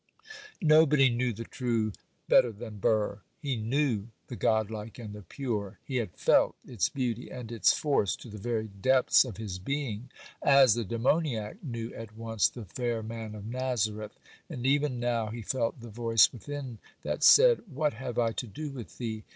Nobody knew the true better than Burr. He knew the god like and the pure, he had felt its beauty and its force to the very depths of his being, as the demoniac knew at once the fair man of Nazareth; and even now he felt the voice within that said, 'What have I to do with thee?